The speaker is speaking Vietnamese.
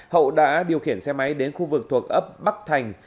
hậu đã điều khiển xe máy đến khu vực thuộc ấp bắc thành